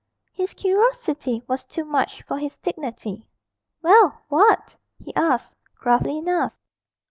His curiosity was too much for his dignity. 'Well what?' he asked, gruffly enough.